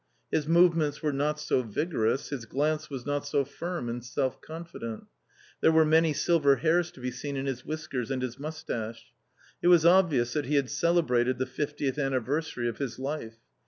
His movements were not so vigorous, his glance was not so firm and self confident. There were many silver hairs to be seen in his whiskers and his moustache. It was obvious that he had celebrated the fiftiejthjmmversary of his life.